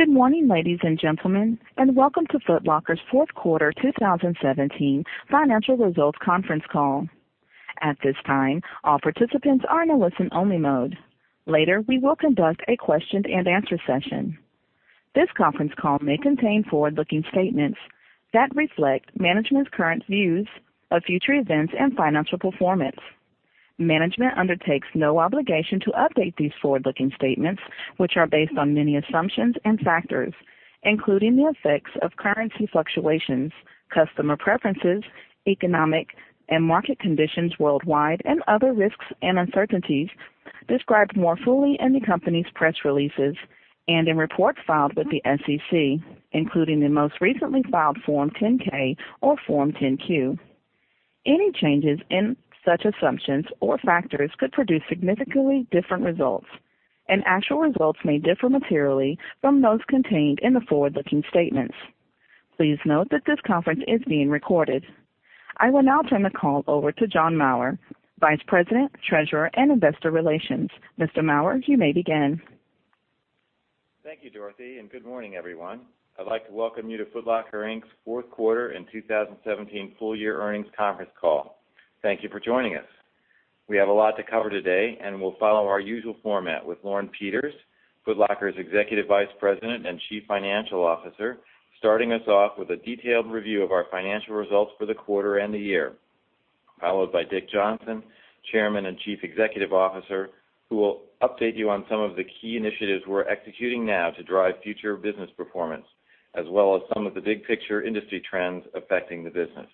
Good morning, ladies and gentlemen, and welcome to Foot Locker's fourth quarter 2017 financial results conference call. At this time, all participants are in a listen only mode. Later, we will conduct a question and answer session. This conference call may contain forward-looking statements that reflect management's current views of future events and financial performance. Management undertakes no obligation to update these forward-looking statements, which are based on many assumptions and factors, including the effects of currency fluctuations, customer preferences, economic and market conditions worldwide, and other risks and uncertainties described more fully in the company's press releases and in reports filed with the SEC, including the most recently filed Form 10-K or Form 10-Q. Any changes in such assumptions or factors could produce significantly different results, and actual results may differ materially from those contained in the forward-looking statements. Please note that this conference is being recorded. I will now turn the call over to John Maurer, Vice President, Treasurer, and Investor Relations. Mr. Maurer, you may begin. Thank you, Dorothy, and good morning, everyone. I'd like to welcome you to Foot Locker Inc.'s fourth quarter and 2017 full year earnings conference call. Thank you for joining us. We have a lot to cover today, and we'll follow our usual format with Lauren Peters, Foot Locker's Executive Vice President and Chief Financial Officer, starting us off with a detailed review of our financial results for the quarter and the year. Followed by Dick Johnson, Chairman and Chief Executive Officer, who will update you on some of the key initiatives we're executing now to drive future business performance, as well as some of the big picture industry trends affecting the business.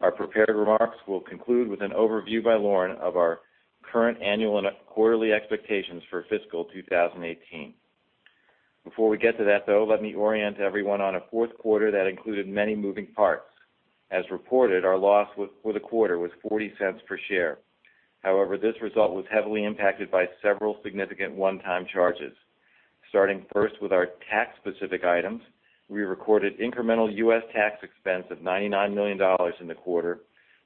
Our prepared remarks will conclude with an overview by Lauren of our current annual and quarterly expectations for fiscal 2018. Before we get to that, though, let me orient everyone on a fourth quarter that included many moving parts. As reported, our loss for the quarter was $0.40 per share. However, this result was heavily impacted by several significant one-time charges. Starting first with our tax-specific items, we recorded incremental U.S. tax expense of $99 million in the quarter,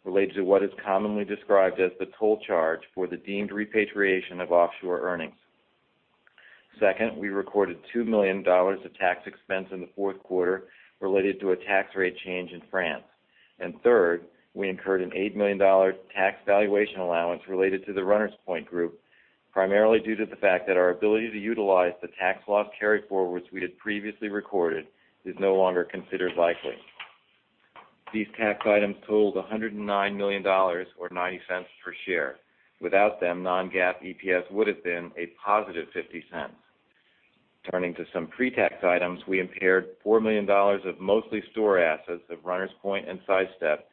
related to what is commonly described as the toll charge for the deemed repatriation of offshore earnings. Second, we recorded $2 million of tax expense in the fourth quarter related to a tax rate change in France. Third, we incurred an $8 million tax valuation allowance related to the Runners Point Group, primarily due to the fact that our ability to utilize the tax loss carryforwards we had previously recorded is no longer considered likely. These tax items totaled $109 million, or $0.90 per share. Without them, non-GAAP EPS would have been a positive $0.50. Turning to some pre-tax items, we impaired $4 million of mostly store assets of Runners Point and Sidestep,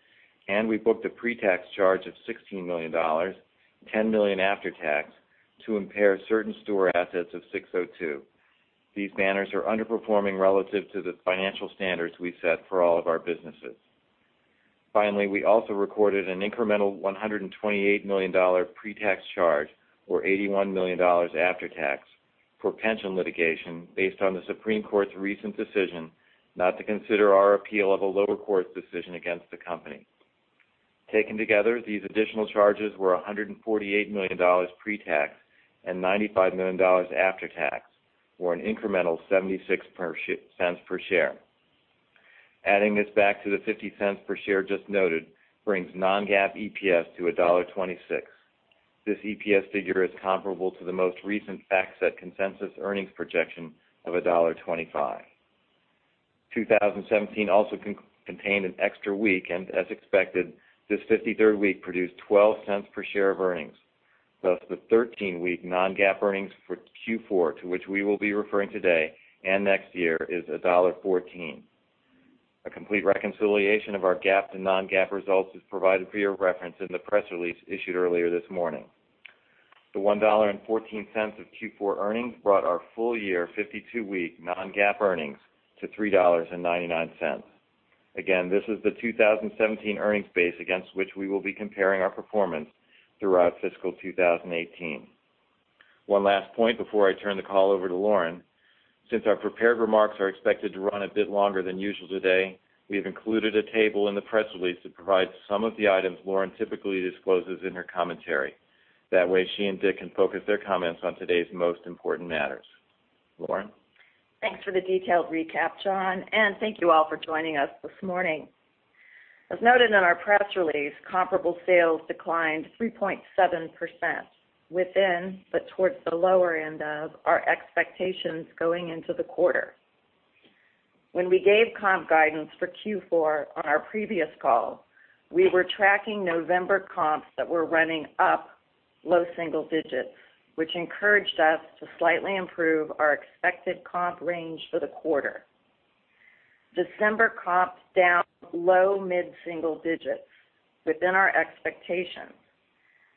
and we booked a pre-tax charge of $16 million, $10 million after tax, to impair certain store assets of SIX:02. These banners are underperforming relative to the financial standards we set for all of our businesses. Finally, we also recorded an incremental $128 million pre-tax charge, or $81 million after tax, for pension litigation based on the Supreme Court's recent decision not to consider our appeal of a lower court's decision against the company. Taken together, these additional charges were $148 million pre-tax and $95 million after tax, or an incremental $0.76 per share. Adding this back to the $0.50 per share just noted brings non-GAAP EPS to $1.26. This EPS figure is comparable to the most recent FactSet consensus earnings projection of $1.25. 2017 also contained an extra week. As expected, this 53rd week produced $0.12 per share of earnings. Thus, the 13-week non-GAAP earnings for Q4, to which we will be referring today and next year, is $1.14. A complete reconciliation of our GAAP to non-GAAP results is provided for your reference in the press release issued earlier this morning. The $1.14 of Q4 earnings brought our full year 52-week non-GAAP earnings to $3.99. Again, this is the 2017 earnings base against which we will be comparing our performance throughout fiscal 2018. One last point before I turn the call over to Lauren. Since our prepared remarks are expected to run a bit longer than usual today, we have included a table in the press release that provides some of the items Lauren typically discloses in her commentary. That way, she and Dick can focus their comments on today's most important matters. Lauren? Thanks for the detailed recap, John. Thank you all for joining us this morning. As noted in our press release, comparable sales declined 3.7%, within, but towards the lower end of our expectations going into the quarter. When we gave comp guidance for Q4 on our previous call, we were tracking November comps that were running up low single digits, which encouraged us to slightly improve our expected comp range for the quarter. December comps down low mid-single digits, within our expectations.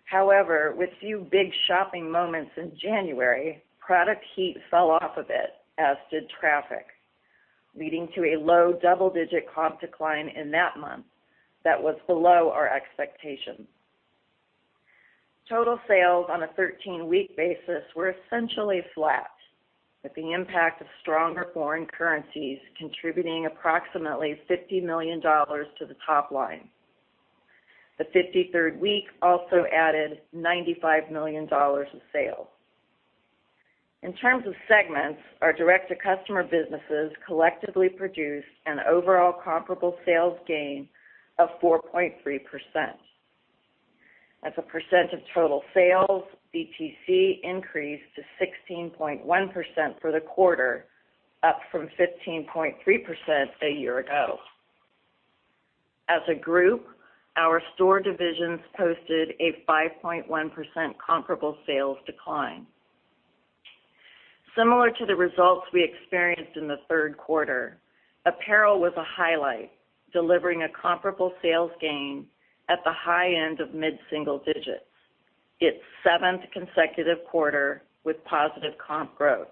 However, with few big shopping moments in January, product heat fell off a bit, as did traffic, leading to a low single-digit comp decline in that month that was below our expectations. Total sales on a 13-week basis were essentially flat, with the impact of stronger foreign currencies contributing approximately $50 million to the top line. The 53rd week also added $95 million of sales. In terms of segments, our direct-to-customer businesses collectively produced an overall comparable sales gain of 4.3%. As a percent of total sales, DTC increased to 16.1% for the quarter, up from 15.3% a year ago. As a group, our store divisions posted a 5.1% comparable sales decline. Similar to the results we experienced in the third quarter, apparel was a highlight, delivering a comparable sales gain at the high end of mid-single digits, its seventh consecutive quarter with positive comp growth.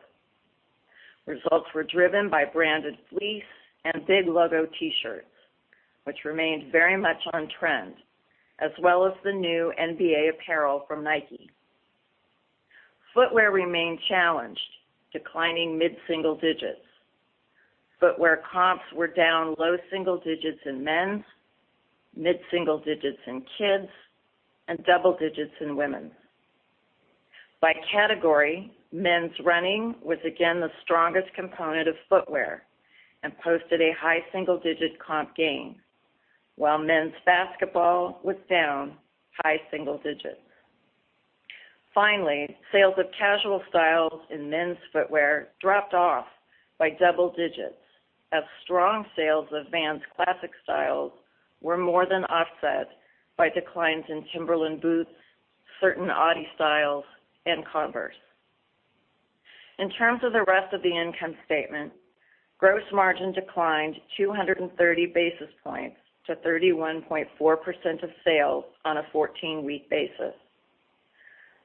Results were driven by branded fleece and big logo T-shirts, which remained very much on trend, as well as the new NBA apparel from Nike. Footwear remained challenged, declining mid-single digits. Footwear comps were down low single digits in men's, mid-single digits in kids', and double digits in women's. By category, men's running was again the strongest component of footwear and posted a high single-digit comp gain, while men's basketball was down high single digits. Finally, sales of casual styles in men's footwear dropped off by double digits as strong sales of Vans classic styles were more than offset by declines in Timberland boots, certain Adidas styles, and Converse. In terms of the rest of the income statement, gross margin declined 230 basis points to 31.4% of sales on a 14-week basis.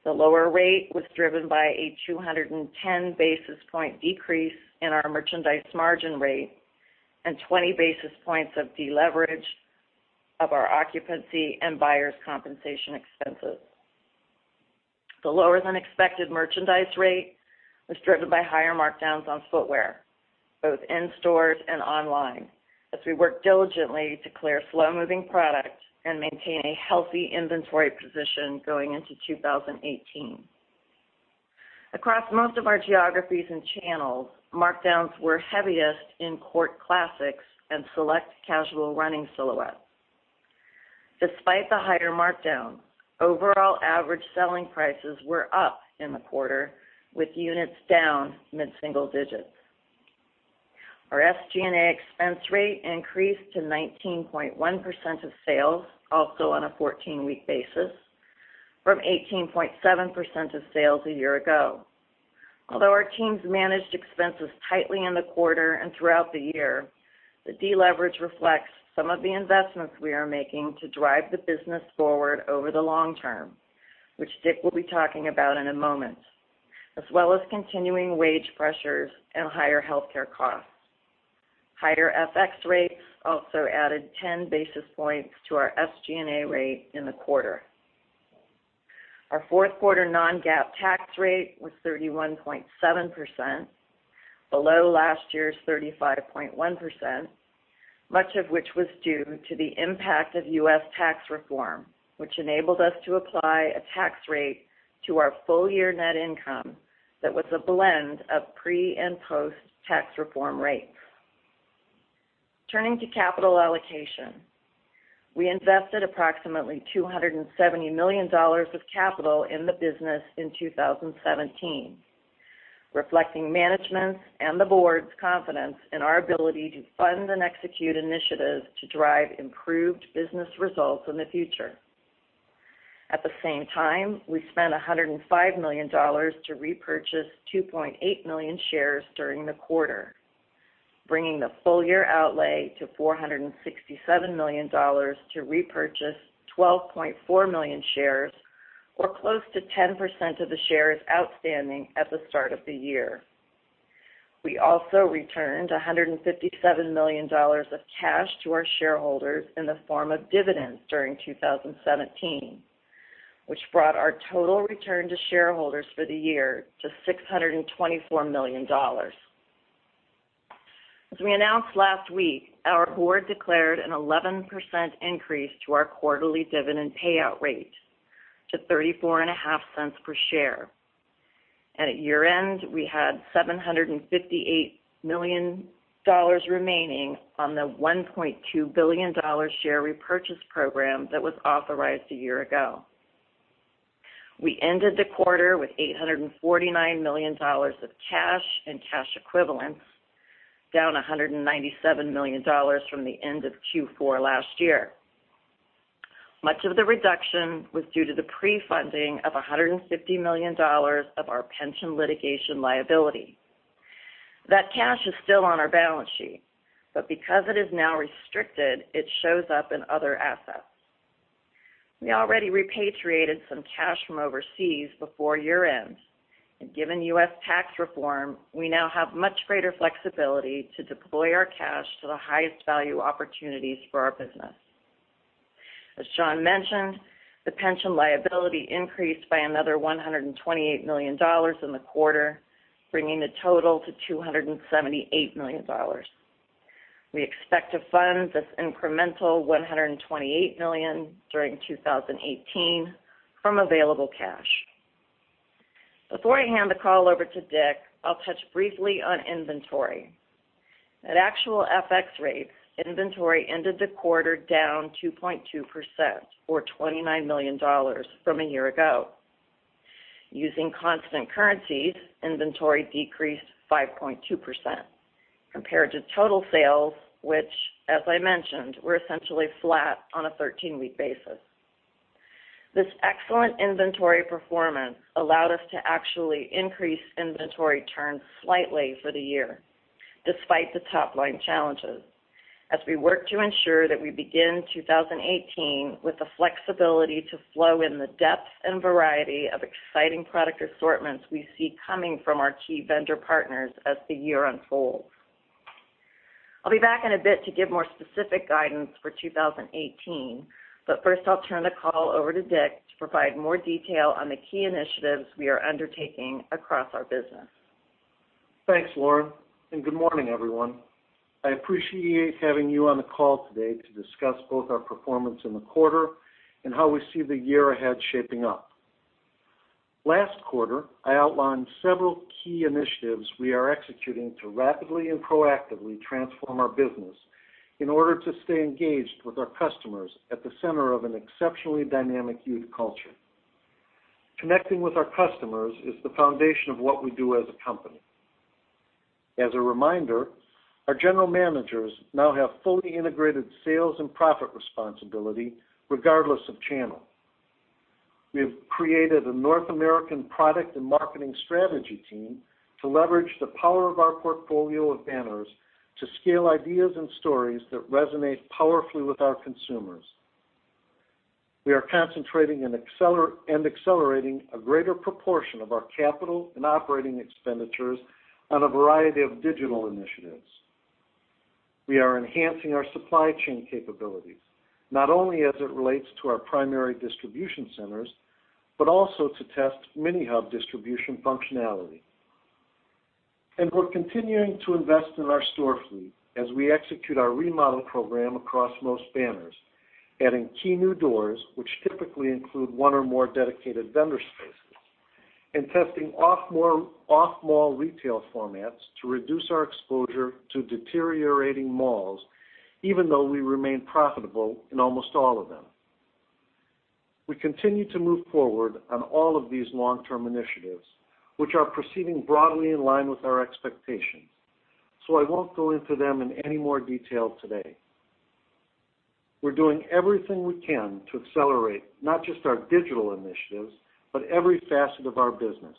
The lower rate was driven by a 210 basis point decrease in our merchandise margin rate and 20 basis points of deleverage of our occupancy and buyers' compensation expenses. The lower-than-expected merchandise rate was driven by higher markdowns on footwear, both in stores and online, as we work diligently to clear slow-moving product and maintain a healthy inventory position going into 2018. Across most of our geographies and channels, markdowns were heaviest in court classics and select casual running silhouettes. Despite the higher markdown, overall average selling prices were up in the quarter, with units down mid-single digits. Our SG&A expense rate increased to 19.1% of sales, also on a 14-week basis, from 18.7% of sales a year ago. Although our teams managed expenses tightly in the quarter and throughout the year, the deleverage reflects some of the investments we are making to drive the business forward over the long term, which Dick will be talking about in a moment, as well as continuing wage pressures and higher healthcare costs. Higher FX rates also added 10 basis points to our SG&A rate in the quarter. Our fourth quarter non-GAAP tax rate was 31.7%, below last year's 35.1%, much of which was due to the impact of U.S. tax reform, which enabled us to apply a tax rate to our full-year net income that was a blend of pre- and post-tax reform rates. Turning to capital allocation. We invested approximately $270 million of capital in the business in 2017, reflecting management's and the board's confidence in our ability to fund and execute initiatives to drive improved business results in the future. At the same time, we spent $105 million to repurchase 2.8 million shares during the quarter, bringing the full-year outlay to $467 million to repurchase 12.4 million shares, or close to 10% of the shares outstanding at the start of the year. We also returned $157 million of cash to our shareholders in the form of dividends during 2017, which brought our total return to shareholders for the year to $624 million. As we announced last week, our board declared an 11% increase to our quarterly dividend payout rate to $0.345 per share. At year-end, we had $758 million remaining on the $1.2 billion share repurchase program that was authorized a year ago. We ended the quarter with $849 million of cash and cash equivalents, down $197 million from the end of Q4 last year. Much of the reduction was due to the pre-funding of $150 million of our pension litigation liability. That cash is still on our balance sheet, but because it is now restricted, it shows up in other assets. We already repatriated some cash from overseas before year-end. Given U.S. tax reform, we now have much greater flexibility to deploy our cash to the highest value opportunities for our business. As John mentioned, the pension liability increased by another $128 million in the quarter, bringing the total to $278 million. We expect to fund this incremental $128 million during 2018 from available cash. Before I hand the call over to Dick, I'll touch briefly on inventory. At actual FX rates, inventory ended the quarter down 2.2%, or $29 million from a year ago. Using constant currencies, inventory decreased 5.2% compared to total sales, which, as I mentioned, were essentially flat on a 13-week basis. This excellent inventory performance allowed us to actually increase inventory turns slightly for the year, despite the top-line challenges, as we work to ensure that we begin 2018 with the flexibility to flow in the depth and variety of exciting product assortments we see coming from our key vendor partners as the year unfolds. I'll be back in a bit to give more specific guidance for 2018. First, I'll turn the call over to Dick to provide more detail on the key initiatives we are undertaking across our business. Thanks, Lauren. Good morning, everyone. I appreciate having you on the call today to discuss both our performance in the quarter and how we see the year ahead shaping up. Last quarter, I outlined several key initiatives we are executing to rapidly and proactively transform our business in order to stay engaged with our customers at the center of an exceptionally dynamic youth culture. Connecting with our customers is the foundation of what we do as a company. As a reminder, our general managers now have fully integrated sales and profit responsibility regardless of channel. We have created a North American product and marketing strategy team to leverage the power of our portfolio of banners to scale ideas and stories that resonate powerfully with our consumers. We are concentrating and accelerating a greater proportion of our capital and operating expenditures on a variety of digital initiatives. We are enhancing our supply chain capabilities, not only as it relates to our primary distribution centers, but also to test mini-hub distribution functionality. We're continuing to invest in our store fleet as we execute our remodel program across most banners, adding key new doors, which typically include one or more dedicated vendor spaces, and testing off-mall retail formats to reduce our exposure to deteriorating malls, even though we remain profitable in almost all of them. We continue to move forward on all of these long-term initiatives, which are proceeding broadly in line with our expectations. I won't go into them in any more detail today. We're doing everything we can to accelerate not just our digital initiatives, but every facet of our business.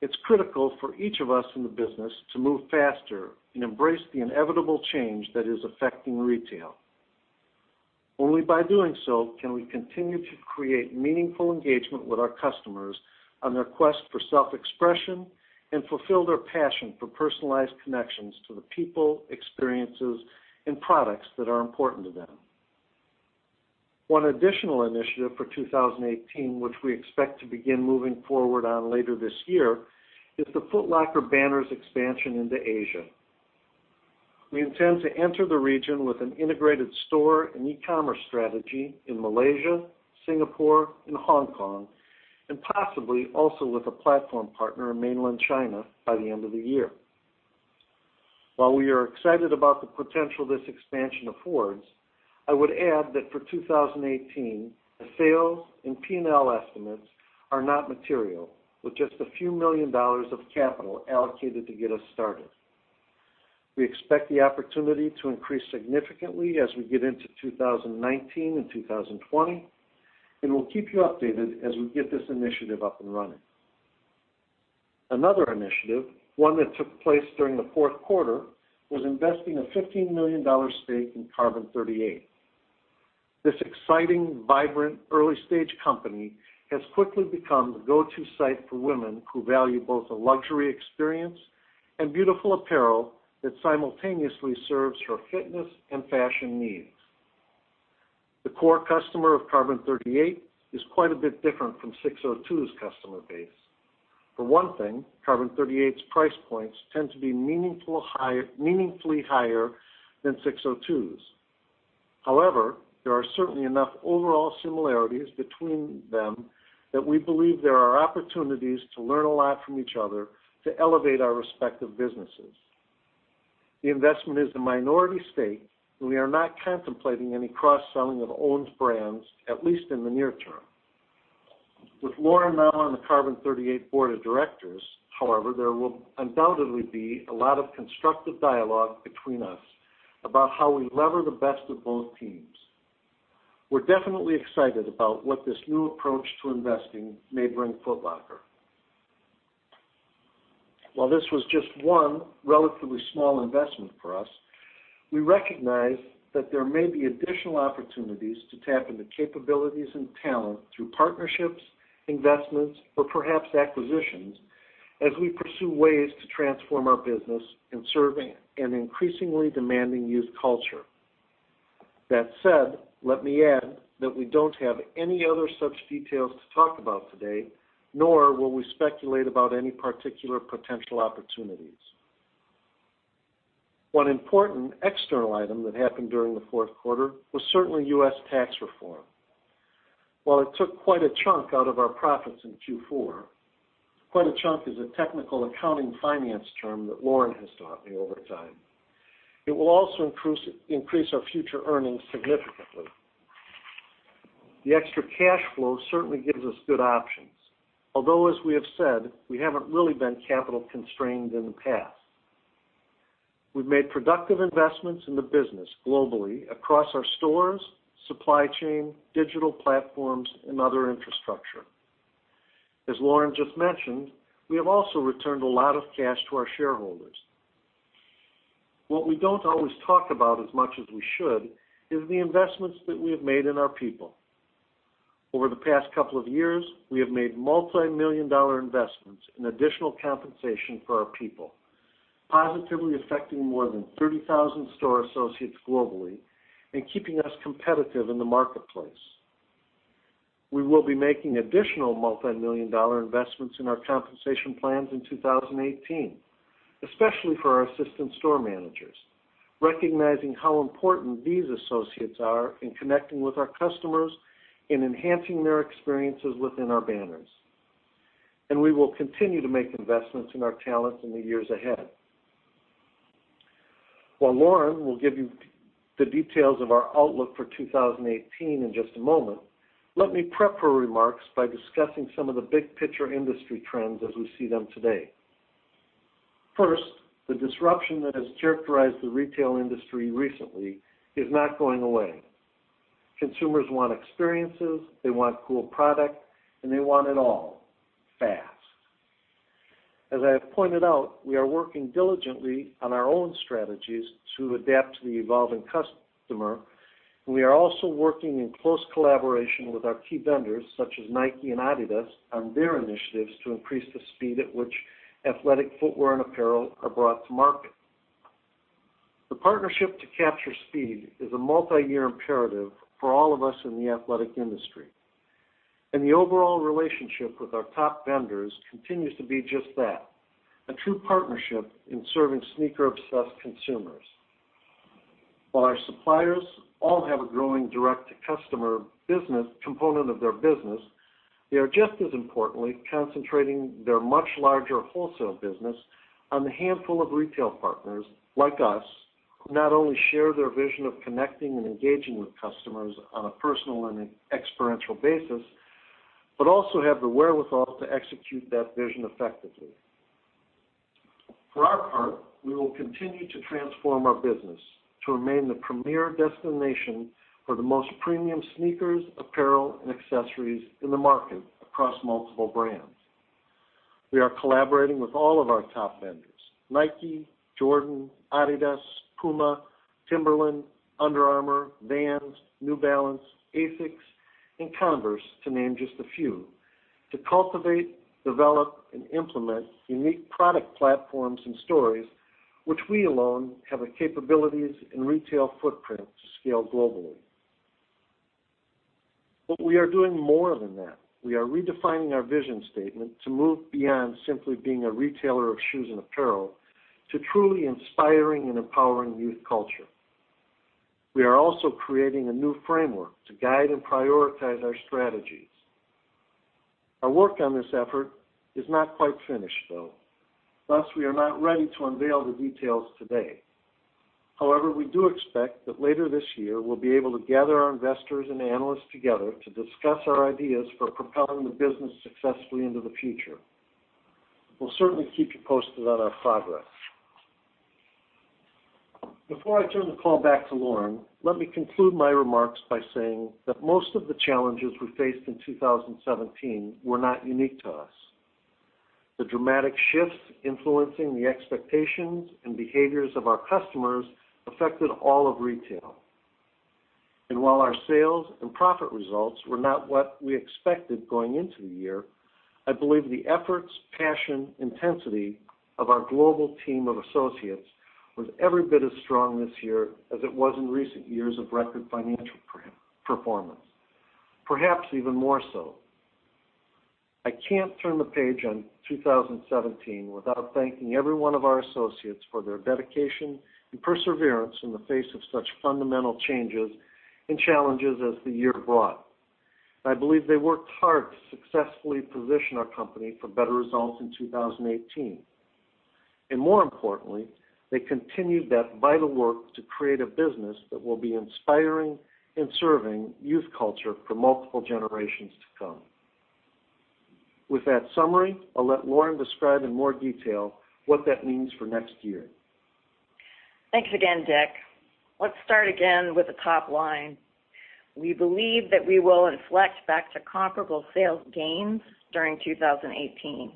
It's critical for each of us in the business to move faster and embrace the inevitable change that is affecting retail. Only by doing so can we continue to create meaningful engagement with our customers on their quest for self-expression and fulfill their passion for personalized connections to the people, experiences, and products that are important to them. One additional initiative for 2018, which we expect to begin moving forward on later this year, is the Foot Locker banners expansion into Asia. We intend to enter the region with an integrated store and e-commerce strategy in Malaysia, Singapore, and Hong Kong, and possibly also with a platform partner in mainland China by the end of the year. While we are excited about the potential this expansion affords, I would add that for 2018, the sales and P&L estimates are not material, with just a few million dollars of capital allocated to get us started. We expect the opportunity to increase significantly as we get into 2019 and 2020. We'll keep you updated as we get this initiative up and running. Another initiative, one that took place during the fourth quarter, was investing a $15 million stake in Carbon38. This exciting, vibrant, early-stage company has quickly become the go-to site for women who value both a luxury experience and beautiful apparel that simultaneously serves her fitness and fashion needs. The core customer of Carbon38 is quite a bit different from SIX:02's customer base. For one thing, Carbon38's price points tend to be meaningfully higher than SIX:02's. However, there are certainly enough overall similarities between them that we believe there are opportunities to learn a lot from each other to elevate our respective businesses. The investment is a minority stake. We are not contemplating any cross-selling of owned brands, at least in the near term. With Lauren now on the Carbon38 board of directors, however, there will undoubtedly be a lot of constructive dialogue between us about how we lever the best of both teams. We're definitely excited about what this new approach to investing may bring Foot Locker. While this was just one relatively small investment for us, we recognize that there may be additional opportunities to tap into capabilities and talent through partnerships, investments, or perhaps acquisitions as we pursue ways to transform our business in serving an increasingly demanding youth culture. That said, let me add that we don't have any other such details to talk about today, nor will we speculate about any particular potential opportunities. One important external item that happened during the fourth quarter was certainly U.S. tax reform. While it took quite a chunk out of our profits in Q4, quite a chunk is a technical accounting finance term that Lauren has taught me over time. It will also increase our future earnings significantly. The extra cash flow certainly gives us good options, although, as we have said, we haven't really been capital constrained in the past. We've made productive investments in the business globally across our stores, supply chain, digital platforms, and other infrastructure. As Lauren just mentioned, we have also returned a lot of cash to our shareholders. What we don't always talk about as much as we should is the investments that we have made in our people. Over the past couple of years, we have made multimillion-dollar investments in additional compensation for our people, positively affecting more than 30,000 store associates globally and keeping us competitive in the marketplace. We will be making additional multimillion-dollar investments in our compensation plans in 2018, especially for our assistant store managers, recognizing how important these associates are in connecting with our customers and enhancing their experiences within our banners. We will continue to make investments in our talent in the years ahead. While Lauren will give you the details of our outlook for 2018 in just a moment, let me prep her remarks by discussing some of the big-picture industry trends as we see them today. First, the disruption that has characterized the retail industry recently is not going away. Consumers want experiences, they want cool product, and they want it all fast. As I have pointed out, we are working diligently on our own strategies to adapt to the evolving customer. We are also working in close collaboration with our key vendors, such as Nike and Adidas, on their initiatives to increase the speed at which athletic footwear and apparel are brought to market. The partnership to capture speed is a multiyear imperative for all of us in the athletic industry, and the overall relationship with our top vendors continues to be just that, a true partnership in serving sneaker-obsessed consumers. While our suppliers all have a growing direct-to-customer component of their business, they are just as importantly concentrating their much larger wholesale business on the handful of retail partners like us, who not only share their vision of connecting and engaging with customers on a personal and experiential basis, but also have the wherewithal to execute that vision effectively. For our part, we will continue to transform our business to remain the premier destination for the most premium sneakers, apparel, and accessories in the market across multiple brands. We are collaborating with all of our top vendors, Nike, Jordan, Adidas, PUMA, Timberland, Under Armour, Vans, New Balance, ASICS, and Converse, to name just a few, to cultivate, develop, and implement unique product platforms and stories which we alone have the capabilities and retail footprint to scale globally. We are doing more than that. We are redefining our vision statement to move beyond simply being a retailer of shoes and apparel to truly inspiring and empowering youth culture. We are also creating a new framework to guide and prioritize our strategies. Our work on this effort is not quite finished, though, thus, we are not ready to unveil the details today. We do expect that later this year, we'll be able to gather our investors and analysts together to discuss our ideas for propelling the business successfully into the future. We'll certainly keep you posted on our progress. Before I turn the call back to Lauren, let me conclude my remarks by saying that most of the challenges we faced in 2017 were not unique to us. The dramatic shifts influencing the expectations and behaviors of our customers affected all of retail. While our sales and profit results were not what we expected going into the year, I believe the efforts, passion, intensity of our global team of associates was every bit as strong this year as it was in recent years of record financial performance. Perhaps even more so. I can't turn the page on 2017 without thanking every one of our associates for their dedication and perseverance in the face of such fundamental changes and challenges as the year brought. I believe they worked hard to successfully position our company for better results in 2018. More importantly, they continued that vital work to create a business that will be inspiring and serving youth culture for multiple generations to come. With that summary, I'll let Lauren describe in more detail what that means for next year. Thanks again, Dick. Let's start again with the top line. We believe that we will inflect back to comparable sales gains during 2018.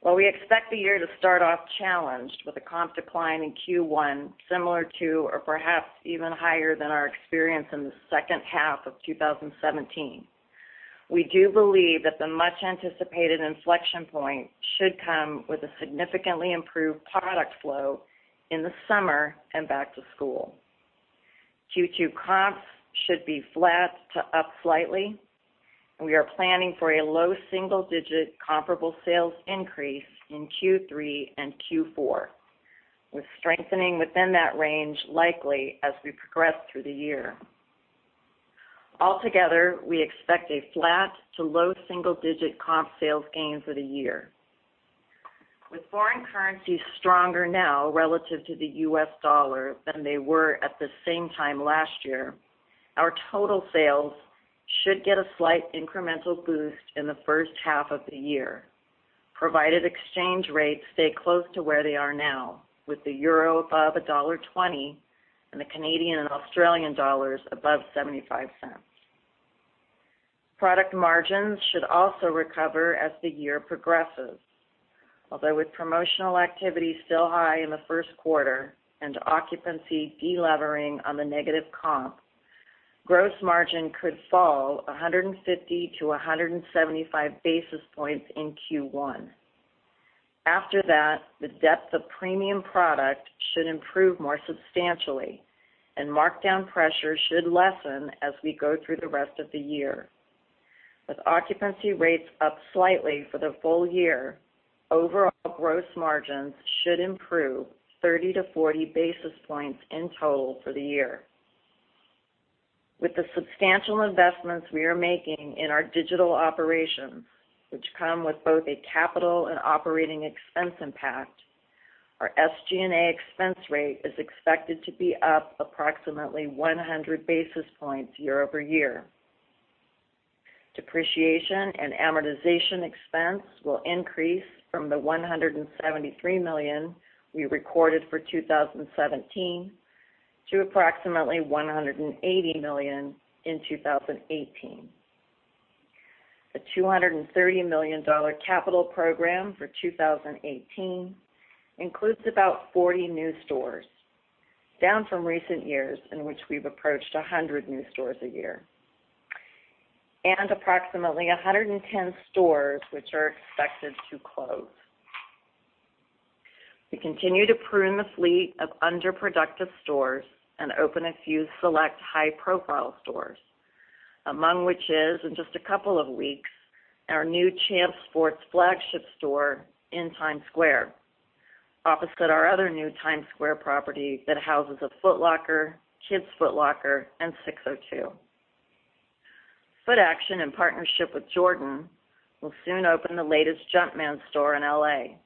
While we expect the year to start off challenged with a comp decline in Q1 similar to or perhaps even higher than our experience in the second half of 2017. We do believe that the much anticipated inflection point should come with a significantly improved product flow in the summer and back to school. Q2 comps should be flat to up slightly, and we are planning for a low single-digit comparable sales increase in Q3 and Q4, with strengthening within that range likely as we progress through the year. Altogether, we expect a flat to low single-digit comp sales gain for the year. With foreign currencies stronger now relative to the U.S. dollar than they were at the same time last year, our total sales should get a slight incremental boost in the first half of the year, provided exchange rates stay close to where they are now, with the EUR above $1.20 and the Canadian and Australian dollars above $0.75. Product margins should also recover as the year progresses. Although with promotional activity still high in the first quarter and occupancy de-levering on the negative comp, gross margin could fall 150-175 basis points in Q1. After that, the depth of premium product should improve more substantially and markdown pressure should lessen as we go through the rest of the year. With occupancy rates up slightly for the full year, overall gross margins should improve 30-40 basis points in total for the year. With the substantial investments we are making in our digital operations, which come with both a capital and operating expense impact, our SG&A expense rate is expected to be up approximately 100 basis points year-over-year. Depreciation and amortization expense will increase from the $173 million we recorded for 2017 to approximately $180 million in 2018. The $230 million capital program for 2018 includes about 40 new stores, down from recent years in which we've approached 100 new stores a year, and approximately 110 stores which are expected to close. We continue to prune the fleet of under-productive stores and open a few select high-profile stores, among which is, in just a couple of weeks, our new Champs Sports flagship store in Times Square, opposite our other new Times Square property that houses a Foot Locker, Kids Foot Locker, and SIX:02. Footaction, in partnership with Jordan, will soon open the latest Jumpman store in L.A.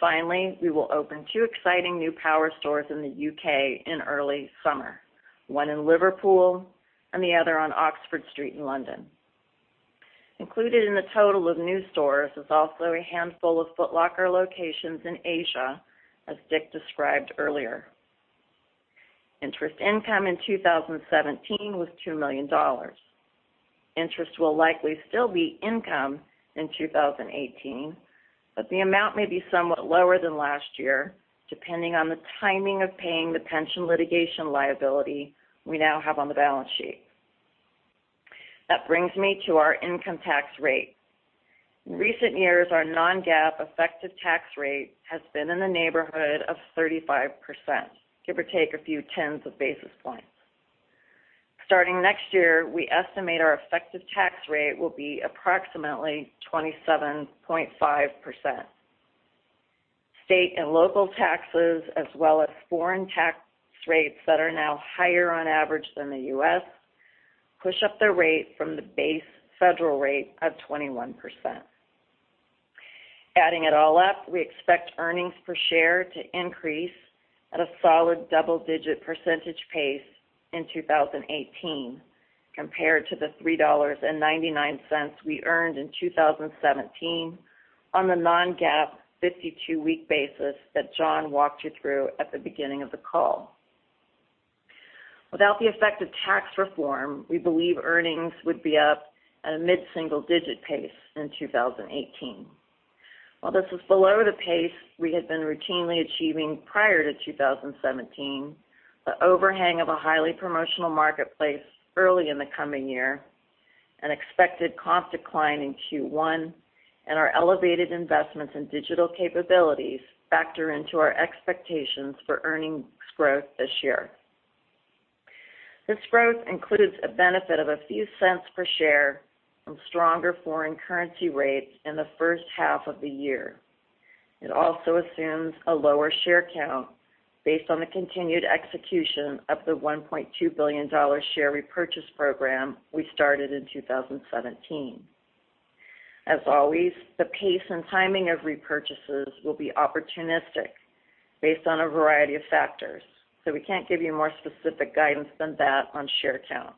Finally, we will open two exciting new power stores in the U.K. in early summer, one in Liverpool and the other on Oxford Street in London. Included in the total of new stores is also a handful of Foot Locker locations in Asia, as Dick described earlier. Interest income in 2017 was $2 million. Interest will likely still be income in 2018, but the amount may be somewhat lower than last year, depending on the timing of paying the pension litigation liability we now have on the balance sheet. That brings me to our income tax rate. In recent years, our non-GAAP effective tax rate has been in the neighborhood of 35%, give or take a few tenths of basis points. Starting next year, we estimate our effective tax rate will be approximately 27.5%. State and local taxes, as well as foreign tax rates that are now higher on average than the U.S., push up the rate from the base federal rate of 21%. Adding it all up, we expect earnings per share to increase at a solid double-digit percentage pace in 2018 compared to the $3.99 we earned in 2017 on the non-GAAP 52-week basis that John walked you through at the beginning of the call. Without the effect of tax reform, we believe earnings would be up at a mid-single-digit pace in 2018. While this is below the pace we had been routinely achieving prior to 2017, the overhang of a highly promotional marketplace early in the coming year, an expected comp decline in Q1, and our elevated investments in digital capabilities factor into our expectations for earnings growth this year. This growth includes a benefit of a few cents per share from stronger foreign currency rates in the first half of the year. It also assumes a lower share count based on the continued execution of the $1.2 billion share repurchase program we started in 2017. As always, the pace and timing of repurchases will be opportunistic based on a variety of factors, so we can't give you more specific guidance than that on share count.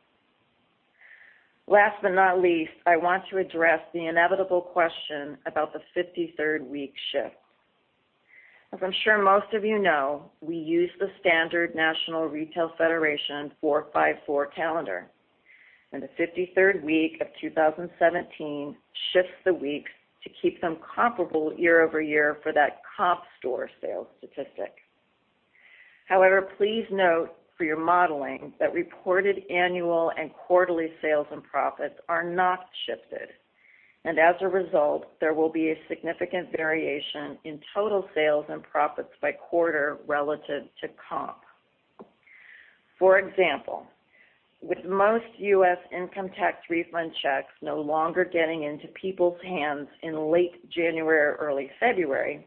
Last but not least, I want to address the inevitable question about the 53rd week shift. As I'm sure most of you know, we use the standard National Retail Federation 4-5-4 calendar, the 53rd week of 2017 shifts the weeks to keep them comparable year-over-year for that comp store sales statistic. Please note for your modeling that reported annual and quarterly sales and profits are not shifted, and as a result, there will be a significant variation in total sales and profits by quarter relative to comp. For example, with most U.S. income tax refund checks no longer getting into people's hands in late January or early February,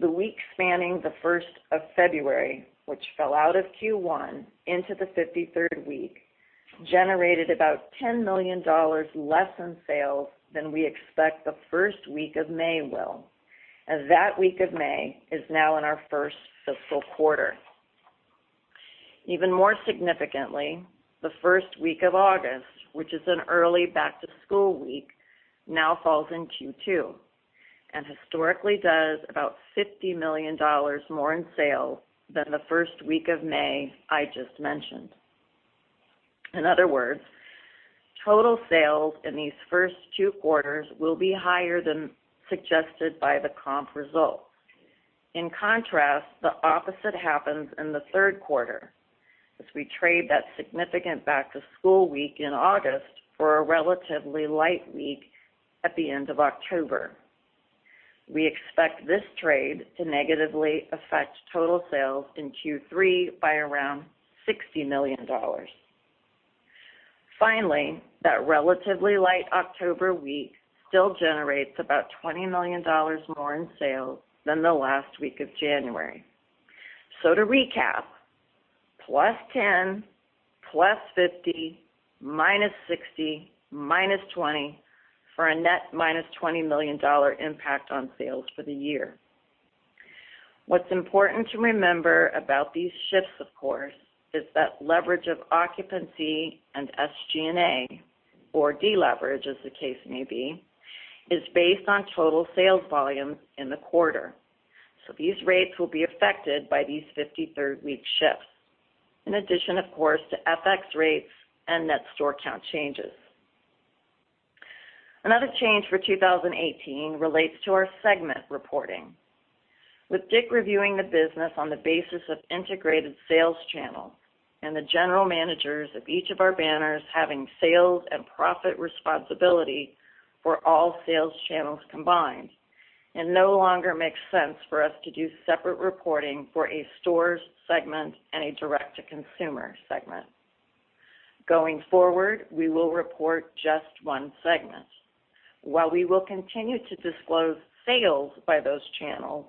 the week spanning the 1st of February, which fell out of Q1 into the 53rd week, generated about $10 million less in sales than we expect the first week of May will, as that week of May is now in our first fiscal quarter. Even more significantly, the first week of August, which is an early back-to-school week, now falls in Q2, and historically does about $50 million more in sales than the first week of May I just mentioned. Total sales in these first two quarters will be higher than suggested by the comp results. In contrast, the opposite happens in the third quarter as we trade that significant back-to-school week in August for a relatively light week at the end of October. We expect this trade to negatively affect total sales in Q3 by around $60 million. That relatively light October week still generates about $20 million more in sales than the last week of January. To recap, +10, +50, -60, -20, for a net -$20 million impact on sales for the year. What's important to remember about these shifts, of course, is that leverage of occupancy and SG&A, or deleverage as the case may be, is based on total sales volumes in the quarter. These rates will be affected by these 53rd week shifts. In addition, of course, to FX rates and net store count changes. Another change for 2018 relates to our segment reporting. With Dick reviewing the business on the basis of integrated sales channel and the general managers of each of our banners having sales and profit responsibility for all sales channels combined, it no longer makes sense for us to do separate reporting for a stores segment and a direct-to-consumer segment. Going forward, we will report just one segment. While we will continue to disclose sales by those channels,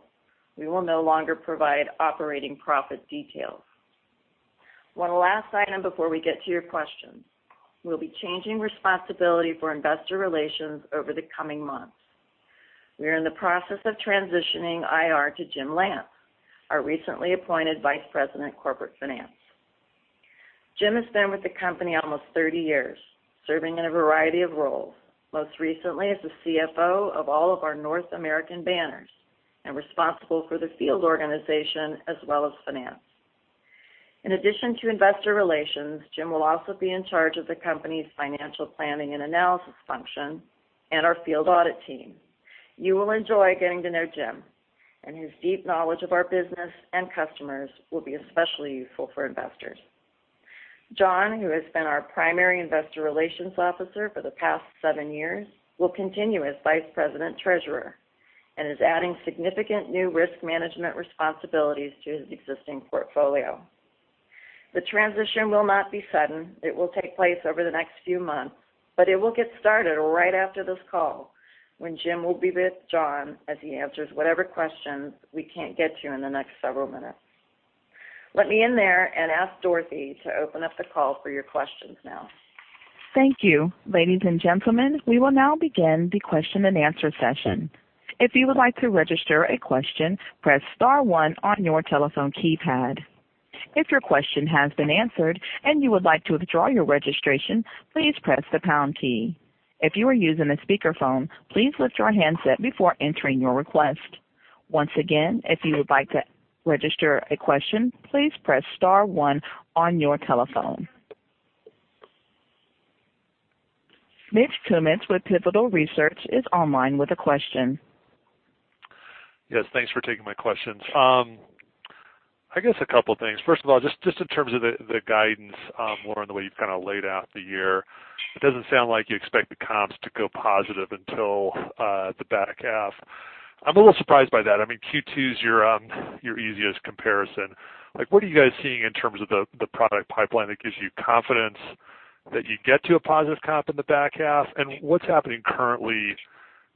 we will no longer provide operating profit details. One last item before we get to your questions. We'll be changing responsibility for investor relations over the coming months. We are in the process of transitioning IR to Jim Lance, our recently appointed Vice President, Corporate Finance. Jim has been with the company almost 30 years, serving in a variety of roles, most recently as the CFO of all of our North American banners and responsible for the field organization as well as finance. In addition to investor relations, Jim will also be in charge of the company's financial planning and analysis function and our field audit team. You will enjoy getting to know Jim, and his deep knowledge of our business and customers will be especially useful for investors. John, who has been our primary investor relations officer for the past seven years, will continue as Vice President, Treasurer and is adding significant new risk management responsibilities to his existing portfolio. The transition will not be sudden. It will take place over the next few months, it will get started right after this call when Jim will be with John as he answers whatever questions we can't get to in the next several minutes. Let me end there and ask Dorothy to open up the call for your questions now. Thank you. Ladies and gentlemen, we will now begin the question and answer session. If you would like to register a question, press star one on your telephone keypad. If your question has been answered and you would like to withdraw your registration, please press the pound key. If you are using a speakerphone, please lift your handset before entering your request. Once again, if you would like to register a question, please press star one on your telephone. Mitch Kummetz with Pivotal Research is online with a question. Yes, thanks for taking my questions. I guess a couple of things. First of all, just in terms of the guidance, Lauren, the way you've laid out the year, it doesn't sound like you expect the comps to go positive until the back half. I'm a little surprised by that. I mean, Q2 is your easiest comparison. What are you guys seeing in terms of the product pipeline that gives you confidence that you get to a positive comp in the back half? What's happening currently,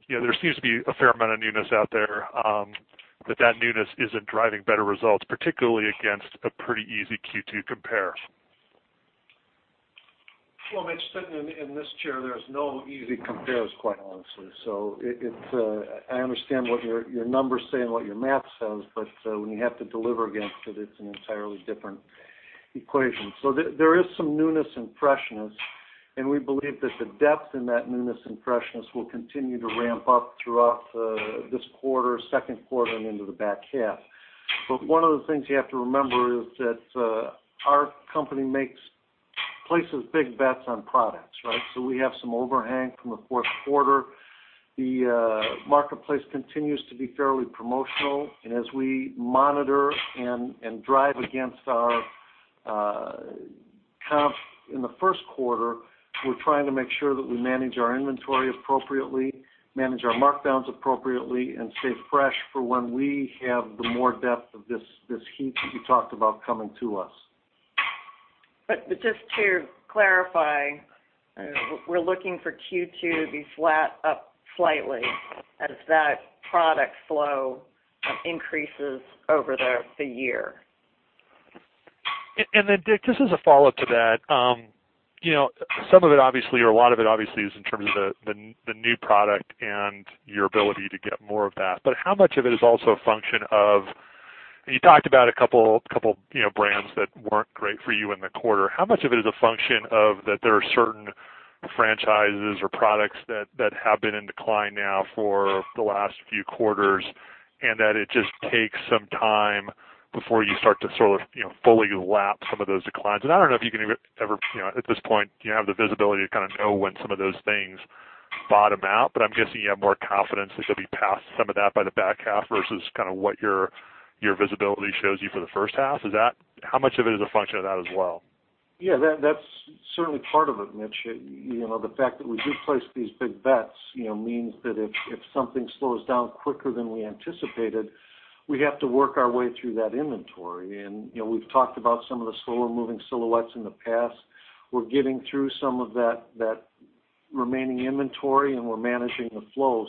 there seems to be a fair amount of newness out there, but that newness isn't driving better results, particularly against a pretty easy Q2 compare. Well, Mitch, sitting in this chair, there's no easy compares, quite honestly. I understand what your numbers say and what your math says, when you have to deliver against it's an entirely different equation. There is some newness and freshness, and we believe that the depth in that newness and freshness will continue to ramp up throughout this quarter, second quarter, and into the back half. One of the things you have to remember is that our company makes Places big bets on products, right? We have some overhang from the fourth quarter. The marketplace continues to be fairly promotional. As we monitor and drive against our comps in the first quarter, we're trying to make sure that we manage our inventory appropriately, manage our markdowns appropriately, and stay fresh for when we have the more depth of this heat that you talked about coming to us. Just to clarify, we're looking for Q2 to be flat, up slightly as that product flow increases over the year. Dick, just as a follow-up to that. Some of it obviously, or a lot of it obviously is in terms of the new product and your ability to get more of that. How much of it is also a function of-- You talked about a couple brands that weren't great for you in the quarter. How much of it is a function of that there are certain franchises or products that have been in decline now for the last few quarters, and that it just takes some time before you start to sort of fully lap some of those declines? I don't know if you can ever, at this point, do you have the visibility to kind of know when some of those things bottom out? I'm guessing you have more confidence that you'll be past some of that by the back half versus kind of what your visibility shows you for the first half. How much of it is a function of that as well? Yeah, that's certainly part of it, Mitch. The fact that we do place these big bets means that if something slows down quicker than we anticipated, we have to work our way through that inventory. We've talked about some of the slower-moving silhouettes in the past. We're getting through some of that remaining inventory, and we're managing the flow.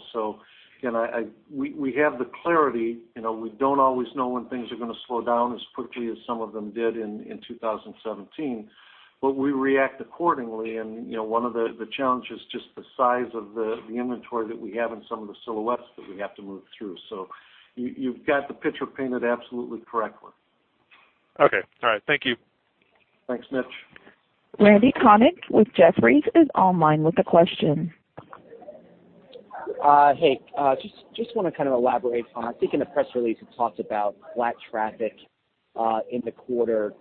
We have the clarity. We don't always know when things are going to slow down as quickly as some of them did in 2017. We react accordingly, and one of the challenges, just the size of the inventory that we have and some of the silhouettes that we have to move through. You've got the picture painted absolutely correctly. Okay. All right. Thank you. Thanks, Mitch. Randy Konik with Jefferies is online with a question. Hey, just want to kind of elaborate on, I think in the press release, you talked about flat traffic in the quarter.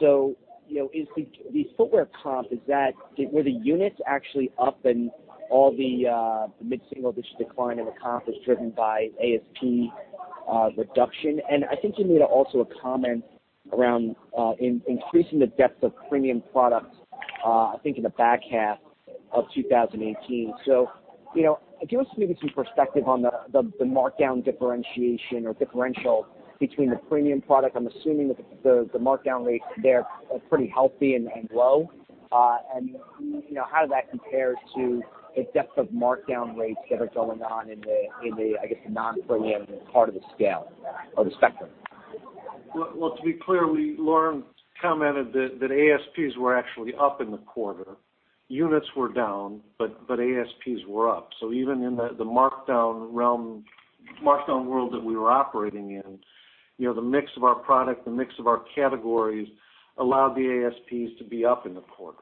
The footwear comp, were the units actually up and all the mid-single-digit decline in the comp is driven by ASP reduction? I think you made also a comment around increasing the depth of premium products, I think in the back half of 2018. Give us maybe some perspective on the markdown differentiation or differential between the premium product. I'm assuming that the markdown rates there are pretty healthy and low. How does that compare to the depth of markdown rates that are going on in the, I guess, the non-premium part of the scale or the spectrum? Well, to be clear, Lauren commented that ASPs were actually up in the quarter. Units were down, but ASPs were up. Even in the markdown world that we were operating in, the mix of our product, the mix of our categories allowed the ASPs to be up in the quarter.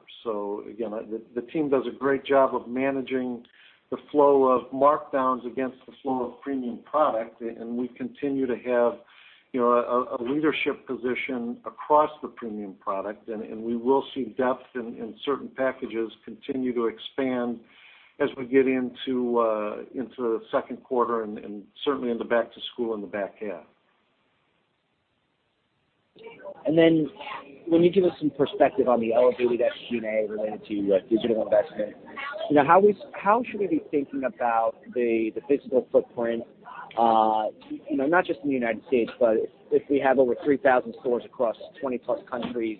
Again, the team does a great job of managing the flow of markdowns against the flow of premium product, and we continue to have a leadership position across the premium product, and we will see depth in certain packages continue to expand as we get into the second quarter and certainly in the back to school in the back half. Will you give us some perspective on the eligibility that SG&A related to digital investment. How should we be thinking about the physical footprint, not just in the U.S., but if we have over 3,000 stores across 20 plus countries.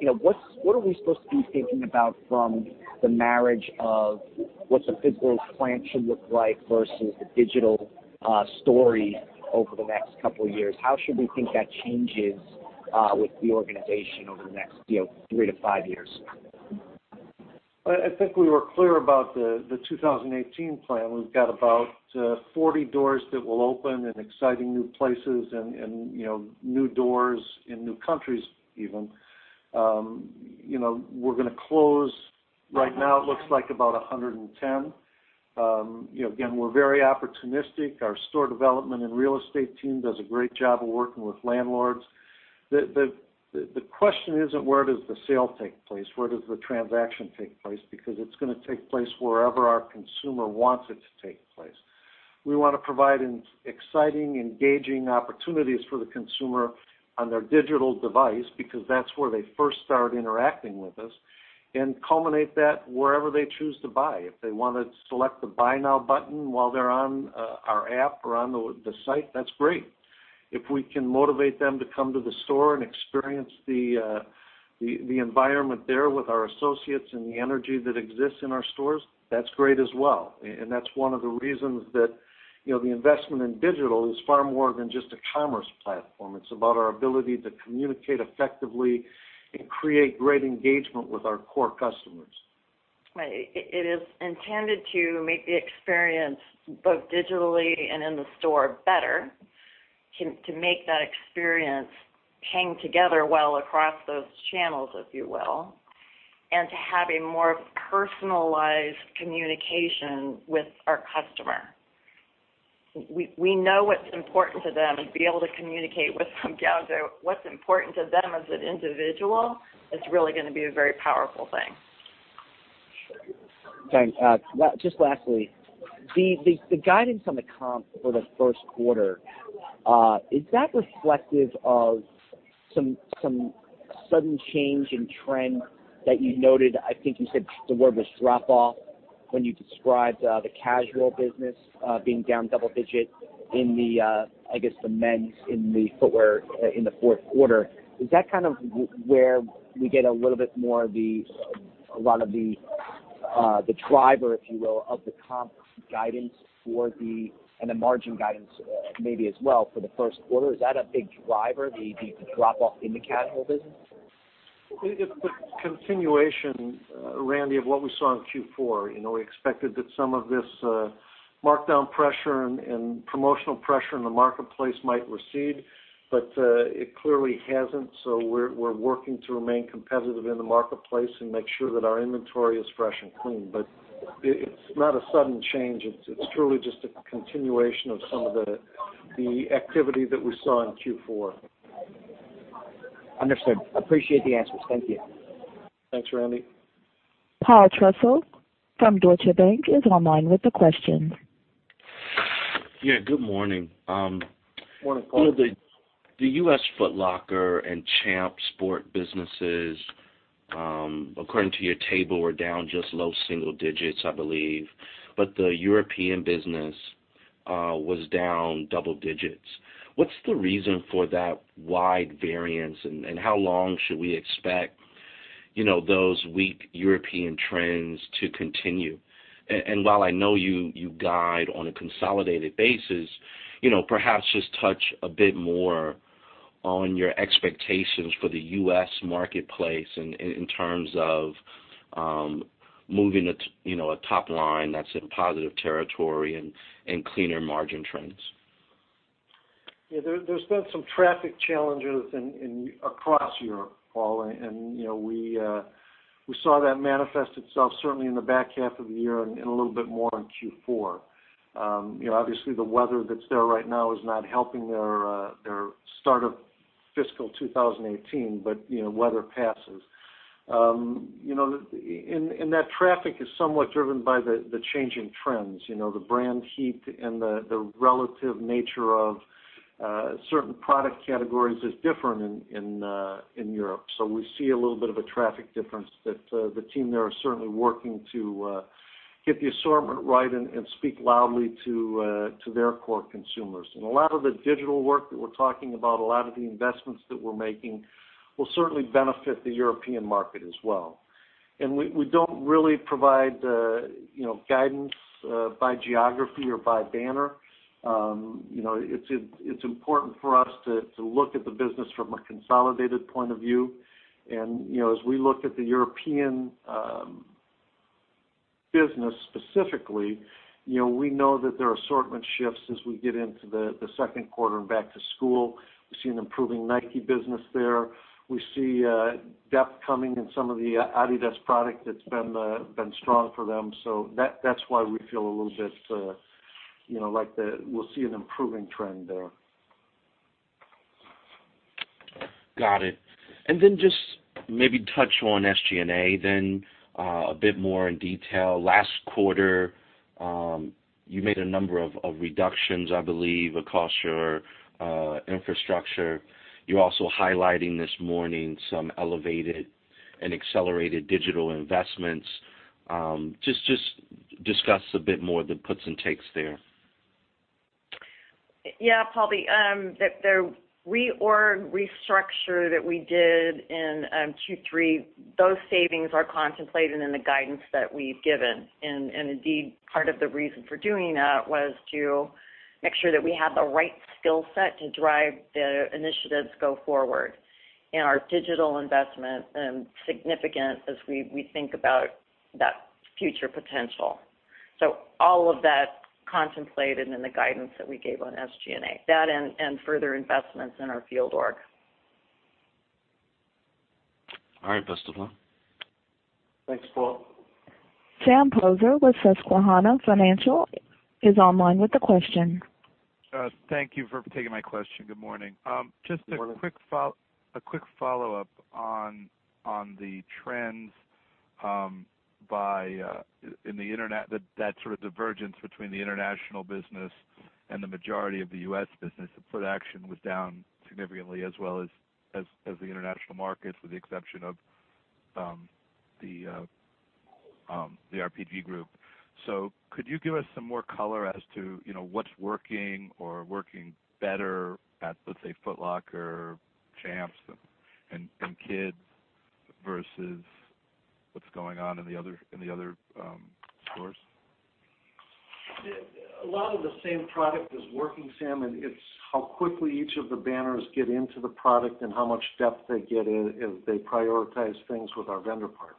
What are we supposed to be thinking about from the marriage of what the physical plan should look like versus the digital story over the next couple of years? How should we think that changes with the organization over the next three to five years? I think we were clear about the 2018 plan. We've got about 40 doors that will open in exciting new places and new doors in new countries even. We're going to close, right now it looks like about 110. Again, we're very opportunistic. Our store development and real estate team does a great job of working with landlords. The question isn't where does the sale take place, where does the transaction take place, because it's going to take place wherever our consumer wants it to take place. We want to provide exciting, engaging opportunities for the consumer on their digital device because that's where they first start interacting with us, and culminate that wherever they choose to buy. If they want to select the Buy Now button while they're on our app or on the site, that's great. If we can motivate them to come to the store and experience the environment there with our associates and the energy that exists in our stores, that's great as well. That's one of the reasons that the investment in digital is far more than just a commerce platform. It's about our ability to communicate effectively and create great engagement with our core customers. It is intended to make the experience both digitally and in the store better, to make that experience hang together well across those channels, if you will, and to have a more personalized communication with our customer. We know what's important to them and be able to communicate with them down to what's important to them as an individual, is really going to be a very powerful thing. Thanks. Just lastly, the guidance on the comp for the first quarter, is that reflective of some sudden change in trend that you noted? I think you said the word was drop-off when you described the casual business being down double-digit in the men's, in the footwear, in the fourth quarter. Is that kind of where we get a little bit more of the driver, if you will, of the comp guidance for the-- and the margin guidance maybe as well for the first quarter? Is that a big driver, the drop-off in the casual business? It's the continuation, Randy, of what we saw in Q4. We expected that some of this markdown pressure and promotional pressure in the marketplace might recede, it clearly hasn't. We're working to remain competitive in the marketplace and make sure that our inventory is fresh and clean. It's not a sudden change. It's truly just a continuation of some of the activity that we saw in Q4. Understood. Appreciate the answers. Thank you. Thanks, Randy. Paul Trussell from Deutsche Bank is online with a question. Yeah, good morning. Morning, Paul. The U.S. Foot Locker and Champs Sports businesses, according to your table, were down just low single digits, I believe. The European business was down double digits. What's the reason for that wide variance, and how long should we expect those weak European trends to continue? While I know you guide on a consolidated basis, perhaps just touch a bit more on your expectations for the U.S. marketplace in terms of moving a top line that's in positive territory and cleaner margin trends. Yeah. There's been some traffic challenges across Europe, Paul, we saw that manifest itself certainly in the back half of the year and a little bit more in Q4. Obviously, the weather that's there right now is not helping their start of fiscal 2018, weather passes. That traffic is somewhat driven by the changing trends. The brand heat and the relative nature of certain product categories is different in Europe. We see a little bit of a traffic difference that the team there are certainly working to get the assortment right and speak loudly to their core consumers. A lot of the digital work that we're talking about, a lot of the investments that we're making, will certainly benefit the European market as well. We don't really provide guidance by geography or by banner. It's important for us to look at the business from a consolidated point of view. As we look at the European business specifically, we know that there are assortment shifts as we get into the second quarter and back to school. We see an improving Nike business there. We see depth coming in some of the adidas product that's been strong for them. That's why we feel a little bit like we'll see an improving trend there. Got it. Just maybe touch on SG&A then a bit more in detail. Last quarter, you made a number of reductions, I believe, across your infrastructure. You're also highlighting this morning some elevated and accelerated digital investments. Just discuss a bit more the puts and takes there. Yeah, Paul. The reorg restructure that we did in Q3, those savings are contemplated in the guidance that we've given. Indeed, part of the reason for doing that was to make sure that we have the right skill set to drive the initiatives go forward. Our digital investment and significant as we think about that future potential. All of that contemplated in the guidance that we gave on SG&A. That and further investments in our field org. All right. Best of luck. Thanks, Paul. Sam Poser with Susquehanna Financial is online with a question. Thank you for taking my question. Good morning. Morning. Just a quick follow-up on the trends in the internet, that sort of divergence between the international business and the majority of the U.S. business. Footaction was down significantly as well as the international markets, with the exception of the RPG group. Could you give us some more color as to what's working or working better at, let's say, Foot Locker, Champs, and Kids versus what's going on in the other stores? A lot of the same product is working, Sam, and it's how quickly each of the banners get into the product and how much depth they get in as they prioritize things with our vendor partners.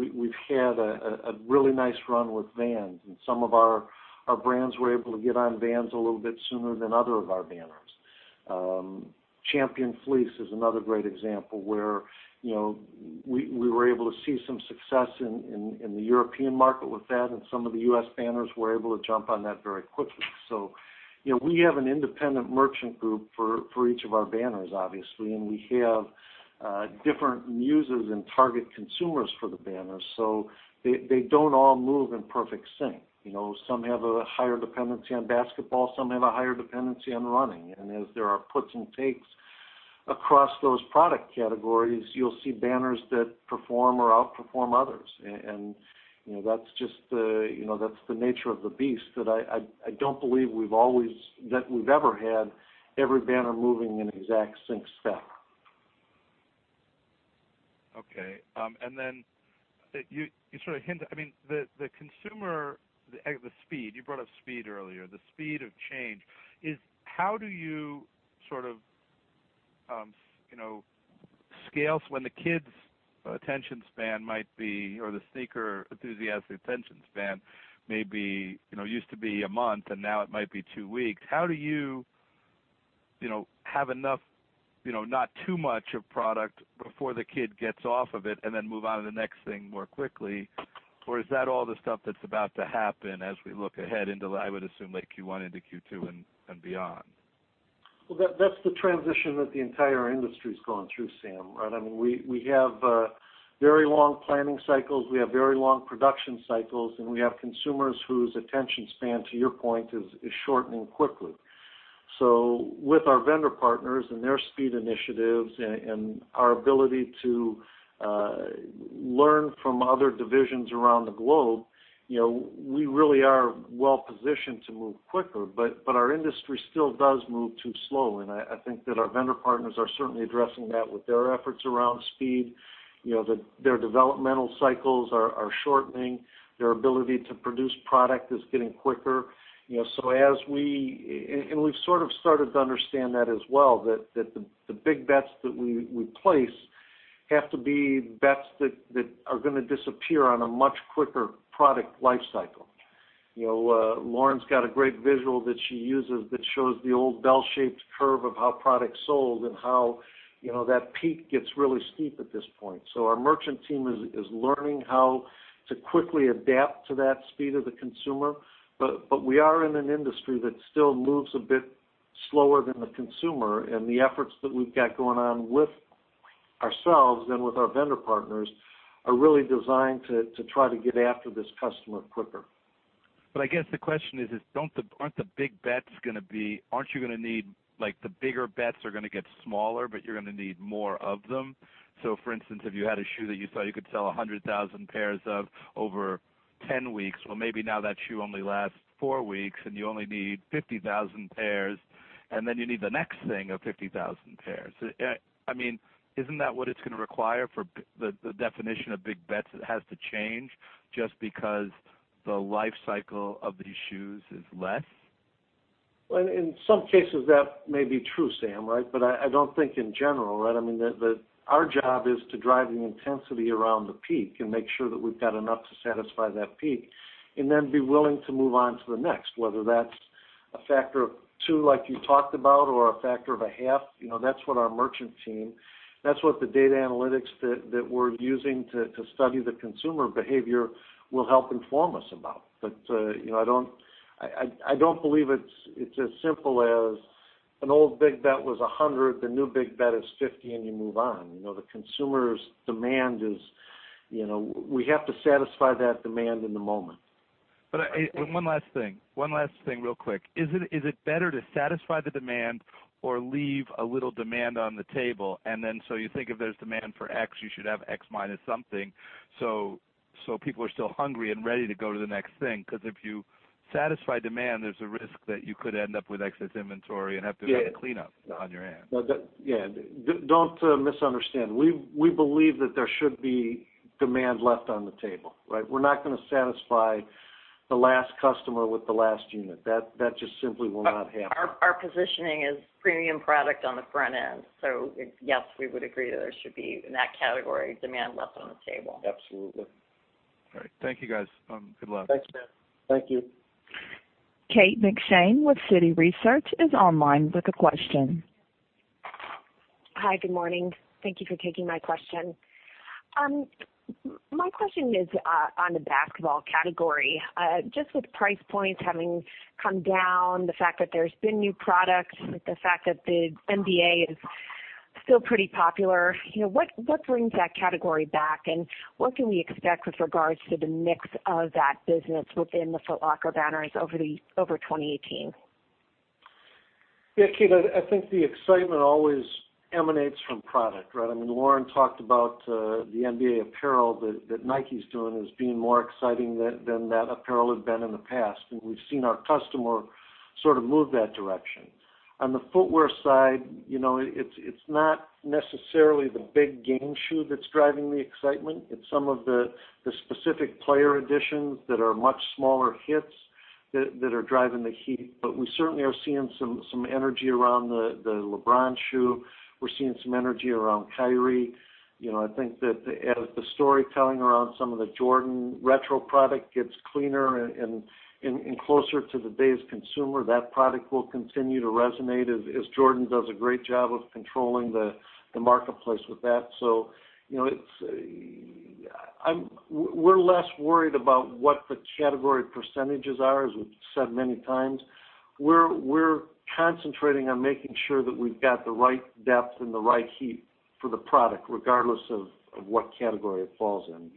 We've had a really nice run with Vans, and some of our brands were able to get on Vans a little bit sooner than other of our banners. Champion fleece is another great example where we were able to see some success in the European market with that, and some of the U.S. banners were able to jump on that very quickly. We have an independent merchant group for each of our banners, obviously, and we have different muses and target consumers for the banners, so they don't all move in perfect sync. Some have a higher dependency on basketball, some have a higher dependency on running. As there are puts and takes across those product categories, you'll see banners that perform or outperform others. That's the nature of the beast that I don't believe we've ever had every banner moving in exact sync step. Okay. You sort of hinted the consumer, the speed, you brought up speed earlier, the speed of change is how do you sort of scale when the kids' attention span might be, or the sneaker enthusiast attention span maybe used to be a month, and now it might be two weeks. How do you have enough, not too much of product before the kid gets off of it and then move on to the next thing more quickly? Is that all the stuff that's about to happen as we look ahead into, I would assume, like Q1 into Q2 and beyond? Well, that's the transition that the entire industry's gone through, Sam, right? We have very long planning cycles. We have very long production cycles, and we have consumers whose attention span, to your point, is shortening quickly. With our vendor partners and their speed initiatives and our ability to learn from other divisions around the globe, we really are well-positioned to move quicker. Our industry still does move too slow, and I think that our vendor partners are certainly addressing that with their efforts around speed. Their developmental cycles are shortening. Their ability to produce product is getting quicker. We've sort of started to understand that as well, that the big bets that we place have to be bets that are going to disappear on a much quicker product life cycle. Lauren's got a great visual that she uses that shows the old bell-shaped curve of how product sold and how that peak gets really steep at this point. Our merchant team is learning how to quickly adapt to that speed of the consumer. We are in an industry that still moves a bit slower than the consumer, and the efforts that we've got going on with ourselves and with our vendor partners are really designed to try to get after this customer quicker. I guess the question is, aren't you going to need the bigger bets are going to get smaller, but you're going to need more of them? For instance, if you had a shoe that you thought you could sell 100,000 pairs of over 10 weeks, well, maybe now that shoe only lasts four weeks and you only need 50,000 pairs, and then you need the next thing of 50,000 pairs. Isn't that what it's going to require for the definition of big bets that has to change just because the life cycle of these shoes is less? Well, in some cases that may be true, Sam, right? I don't think in general. Our job is to drive the intensity around the peak and make sure that we've got enough to satisfy that peak and then be willing to move on to the next, whether that's a factor of two, like you talked about, or a factor of a half. That's what our merchant team, that's what the data analytics that we're using to study the consumer behavior will help inform us about. I don't believe it's as simple as an old big bet was 100, the new big bet is 50, and you move on. The consumer's demand is, we have to satisfy that demand in the moment. One last thing. One last thing real quick. Is it better to satisfy the demand or leave a little demand on the table? You think if there's demand for X, you should have X minus something, so people are still hungry and ready to go to the next thing, because if you satisfy demand, there's a risk that you could end up with excess inventory and have to do a cleanup on your hands. Yeah. Don't misunderstand. We believe that there should be demand left on the table, right? We're not going to satisfy the last customer with the last unit. That just simply will not happen. Our positioning is premium product on the front end. Yes, we would agree that there should be, in that category, demand left on the table. Absolutely. All right. Thank you guys. Good luck. Thanks, Sam. Thank you. Kate McShane with Citi Research is online with a question. Hi, good morning. Thank you for taking my question. My question is on the basketball category. With price points having come down, the fact that there's been new products, the fact that the NBA is still pretty popular, what brings that category back, and what can we expect with regards to the mix of that business within the Foot Locker banners over 2018? Yeah, Kate, I think the excitement always emanates from product, right? Lauren talked about the NBA apparel that Nike's doing as being more exciting than that apparel had been in the past. We've seen our customer sort of move that direction. On the footwear side, it's not necessarily the big game shoe that's driving the excitement. It's some of the specific player editions that are much smaller hits that are driving the heat. We certainly are seeing some energy around the LeBron shoe. We're seeing some energy around Kyrie. I think that as the storytelling around some of the Jordan Retro product gets cleaner and getting closer to the day's consumer, that product will continue to resonate as Jordan does a great job of controlling the marketplace with that. We're less worried about what the category percentages are, as we've said many times. We're concentrating on making sure that we've got the right depth and the right heat for the product, regardless of what category it falls in.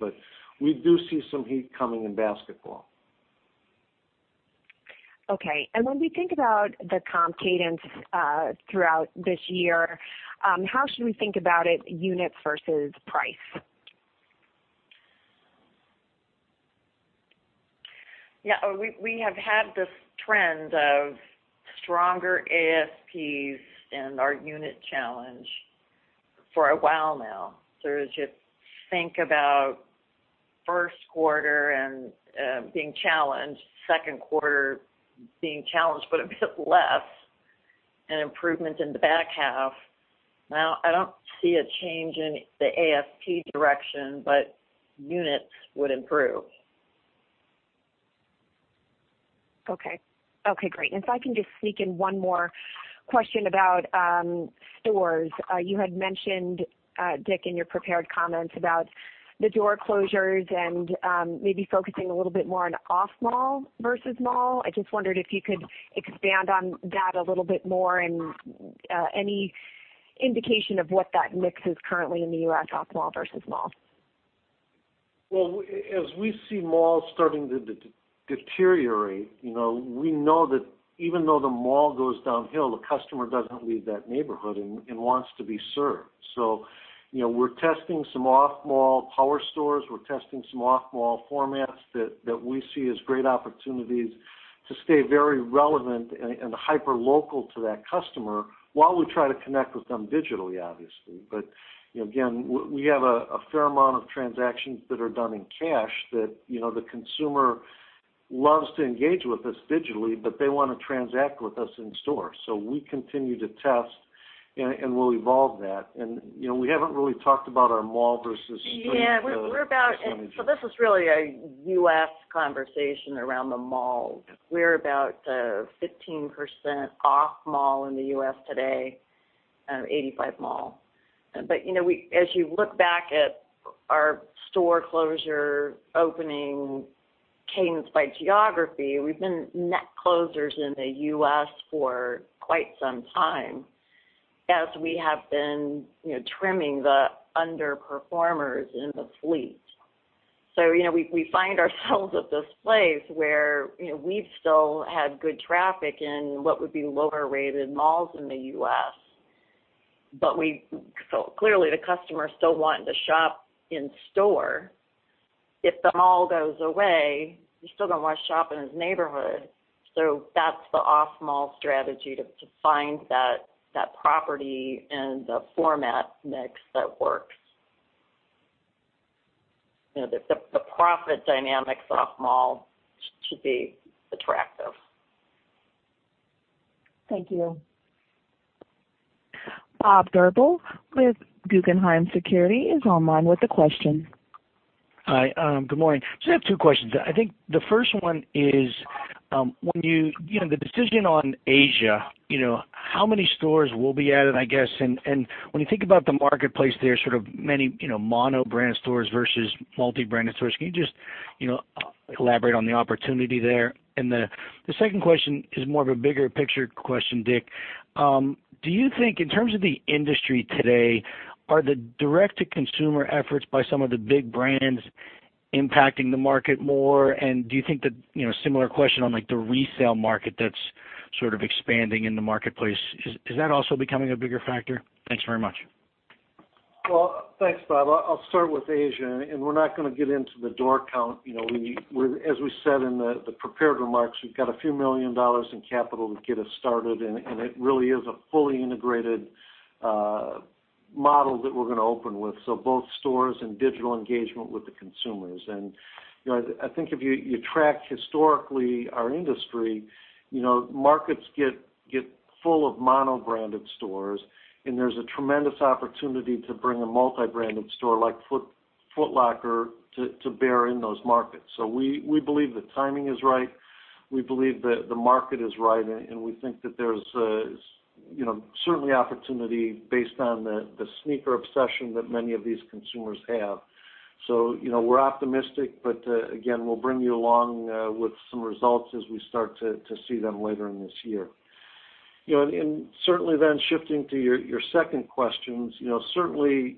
We do see some heat coming in basketball. Okay. When we think about the comp cadence throughout this year, how should we think about it, units versus price? Yeah. We have had this trend of stronger ASPs and our unit challenge for a while now. As you think about first quarter and being challenged, second quarter being challenged, but a bit less, improvement in the back half. I don't see a change in the ASP direction, but units would improve. Okay. Okay, great. If I can just sneak in one more question about stores. You had mentioned, Dick, in your prepared comments about the door closures and maybe focusing a little bit more on off-mall versus mall. I just wondered if you could expand on that a little bit more and any indication of what that mix is currently in the U.S., off-mall versus mall. Well, as we see malls starting to deteriorate, we know that even though the mall goes downhill, the customer doesn't leave that neighborhood and wants to be served. We're testing some off-mall power stores. We're testing some off-mall formats that we see as great opportunities to stay very relevant and hyperlocal to that customer while we try to connect with them digitally, obviously. Again, we have a fair amount of transactions that are done in cash that the consumer loves to engage with us digitally, but they want to transact with us in store. We continue to test, and we'll evolve that. We haven't really talked about our mall versus street percentages. Yeah. This is really a U.S. conversation around the mall. We're about 15% off-mall in the U.S. today, 85 mall. As you look back at our store closure opening cadence by geography, we've been net closers in the U.S. for quite some time as we have been trimming the underperformers in the fleet. We find ourselves at this place where we've still had good traffic in what would be lower-rated malls in the U.S. Clearly, the customer is still wanting to shop in store. If the mall goes away, he's still going to want to shop in his neighborhood. That's the off-mall strategy, to find that property and the format mix that works. The profit dynamics off-mall should be attractive. Thank you. Bob Drbul with Guggenheim Securities is online with a question. Hi. Good morning. I have two questions. I think the first one is, the decision on Asia, how many stores will be added, I guess? When you think about the marketplace there, sort of many mono-brand stores versus multi-branded stores. Can you just elaborate on the opportunity there? The second question is more of a bigger picture question, Dick. Do you think in terms of the industry today, are the direct-to-consumer efforts by some of the big brands impacting the market more? Do you think that, similar question on the resale market that's sort of expanding in the marketplace. Is that also becoming a bigger factor? Thanks very much. Well, thanks, Bob. I'll start with Asia, we're not going to get into the door count. As we said in the prepared remarks, we've got a few million dollars in capital to get us started, it really is a fully integrated model that we're going to open with. Both stores and digital engagement with the consumers. I think if you track historically our industry, markets get full of mono-branded stores, there's a tremendous opportunity to bring a multi-branded store like Foot Locker to bear in those markets. We believe the timing is right. We believe that the market is right, we think that there's certainly opportunity based on the sneaker obsession that many of these consumers have. We're optimistic, but again, we'll bring you along with some results as we start to see them later in this year. Certainly, shifting to your second questions. Certainly,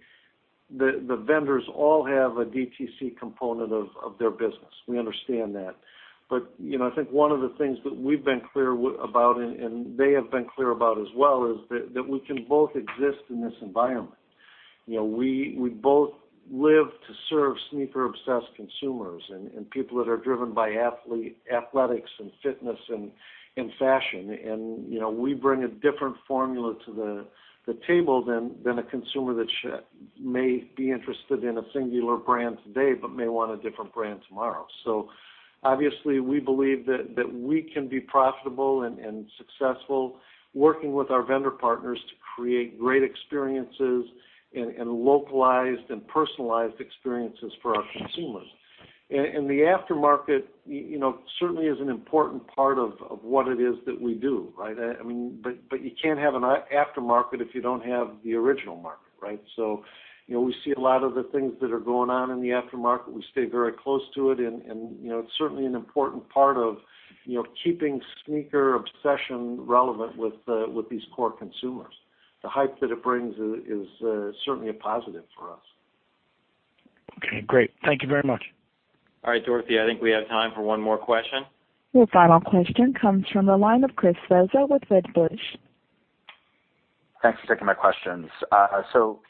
the vendors all have a DTC component of their business. We understand that. I think one of the things that we've been clear about, and they have been clear about as well, is that we can both exist in this environment. We both live to serve sneaker-obsessed consumers and people that are driven by athletics and fitness and fashion. We bring a different formula to the table than a consumer that may be interested in a singular brand today, but may want a different brand tomorrow. Obviously, we believe that we can be profitable and successful working with our vendor partners to create great experiences and localized and personalized experiences for our consumers. The aftermarket certainly is an important part of what it is that we do, right? You can't have an aftermarket if you don't have the original market, right? We see a lot of the things that are going on in the aftermarket. We stay very close to it, and it's certainly an important part of keeping sneaker obsession relevant with these core consumers. The hype that it brings is certainly a positive for us. Okay, great. Thank you very much. All right, Dorothy, I think we have time for one more question. Your final question comes from the line of Chris Svezia with Wedbush. Thanks for taking my questions.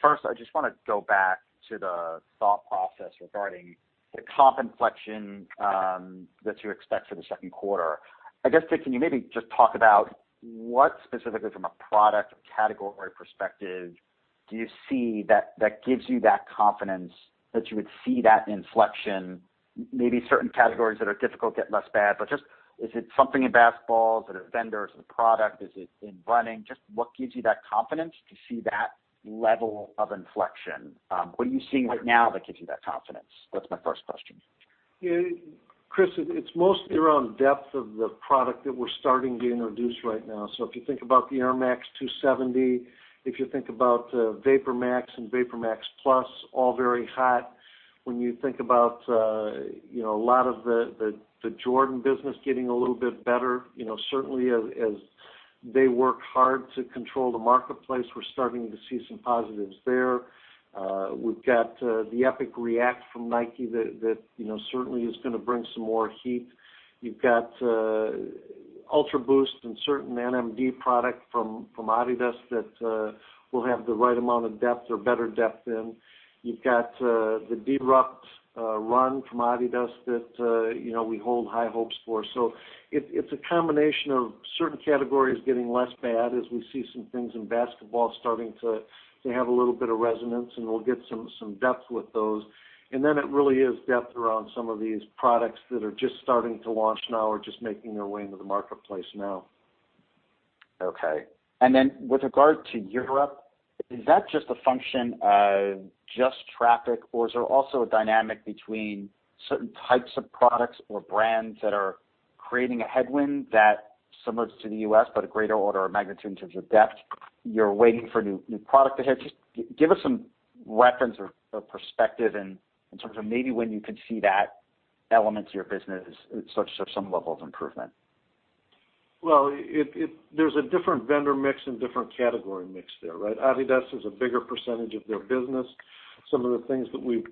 First, I just want to go back to the thought process regarding the comp inflection that you expect for the second quarter. I guess, Dick, can you maybe just talk about what specifically from a product or category perspective do you see that gives you that confidence that you would see that inflection, maybe certain categories that are difficult get less bad. Just is it something in basketball? Is it a vendor? Is it a product? Is it in running? Just what gives you that confidence to see that level of inflection? What are you seeing right now that gives you that confidence? That's my first question. Chris, it's mostly around depth of the product that we're starting to introduce right now. If you think about the Air Max 270, if you think about VaporMax and VaporMax Plus, all very hot. When you think about a lot of the Jordan business getting a little bit better. Certainly as they work hard to control the marketplace, we're starting to see some positives there. We've got the Epic React from Nike that certainly is going to bring some more heat. You've got Ultraboost and certain NMD product from Adidas that will have the right amount of depth or better depth in. You've got the Deerupt Runner from Adidas that we hold high hopes for. It's a combination of certain categories getting less bad as we see some things in basketball starting to have a little bit of resonance, and we'll get some depth with those. It really is depth around some of these products that are just starting to launch now or just making their way into the marketplace now. With regard to Europe, is that just a function of just traffic, or is there also a dynamic between certain types of products or brands that are creating a headwind that similar to the U.S., but a greater order of magnitude in terms of depth, you're waiting for new product to hit? Just give us some reference or perspective in terms of maybe when you could see that element to your business at some level of improvement. Well, there's a different vendor mix and different category mix there, right? adidas is a bigger percentage of their business. Some of the things that we've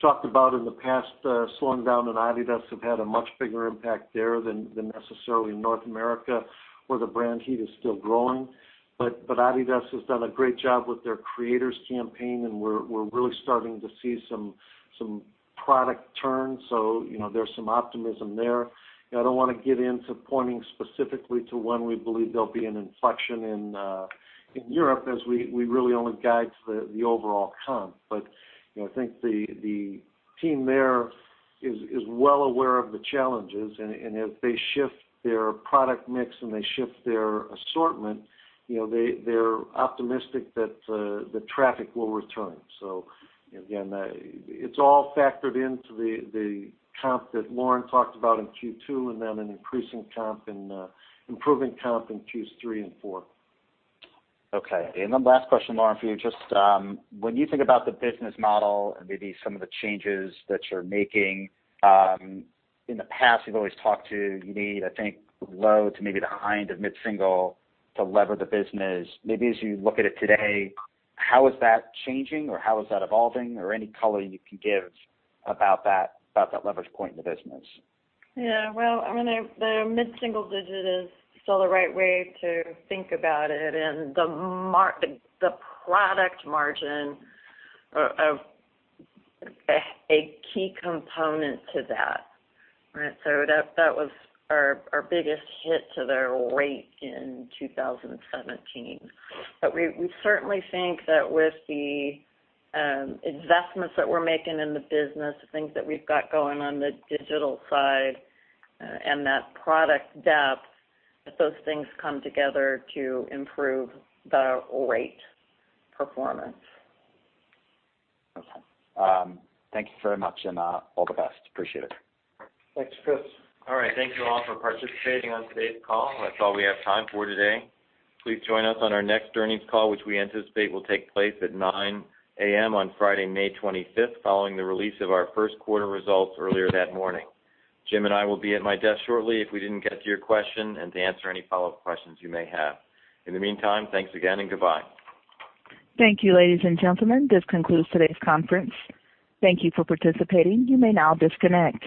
talked about in the past slowing down in adidas have had a much bigger impact there than necessarily North America, where the brand heat is still growing. adidas has done a great job with their Creators campaign, and we're really starting to see some product turn. There's some optimism there. I don't want to get into pointing specifically to when we believe there'll be an inflection in Europe as we really only guide to the overall comp. I think the team there is well aware of the challenges, and as they shift their product mix and they shift their assortment, they're optimistic that the traffic will return. Again, it's all factored into the comp that Lauren talked about in Q2 and then an improving comp in Q3 and Q4. Last question, Lauren, for you. Just when you think about the business model and maybe some of the changes that you're making. In the past, you've always talked to, you need, I think, low to maybe the high end of mid-single to lever the business. Maybe as you look at it today, how is that changing or how is that evolving or any color you can give about that leverage point in the business? Yeah. Well, the mid-single-digit is still the right way to think about it, and the product margin, a key component to that, right? That was our biggest hit to the rate in 2017. We certainly think that with the investments that we're making in the business, the things that we've got going on the digital side and that product depth, that those things come together to improve the rate performance. Okay. Thank you very much. All the best. Appreciate it. Thanks, Chris. All right. Thank you all for participating on today's call. That's all we have time for today. Please join us on our next earnings call, which we anticipate will take place at 9:00 A.M. on Friday, May 25th, following the release of our first quarter results earlier that morning. Jim and I will be at my desk shortly if we didn't get to your question and to answer any follow-up questions you may have. In the meantime, thanks again and goodbye. Thank you, ladies and gentlemen. This concludes today's conference. Thank you for participating. You may now disconnect.